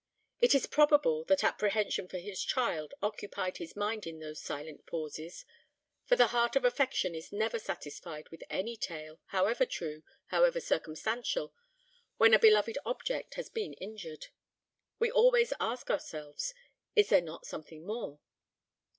It is probable that apprehension for his child occupied his mind in those silent pauses, for the heart of affection is never satisfied with any tale, however true, however circumstantial, when a beloved object has been injured. We always ask ourselves, 'Is there not something more?'